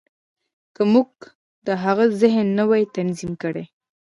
که موږ د هغه ذهن نه وای تنظيم کړی.